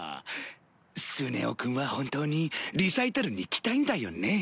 スネ夫くんは本当にリサイタルに来たいんだよね？